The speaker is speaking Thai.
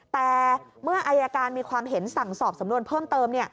แต่เมื่ออายการมีความเห็นสั่งสอบสำนวนเพิ่มเติม